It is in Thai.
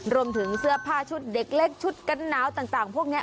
รวมถึงเสื้อผ้าชุดเด็กเล็กชุดกันหนาวต่างพวกนี้